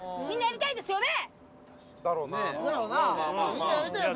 みんなやりたいよ